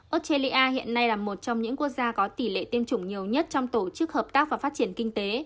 australia hiện nay là một trong những quốc gia có tỷ lệ tiêm chủng nhiều nhất trong tổ chức hợp tác và phát triển kinh tế